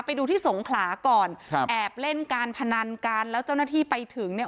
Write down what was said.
ไปดูที่สงขลาก่อนครับแอบเล่นการพนันกันแล้วเจ้าหน้าที่ไปถึงเนี่ย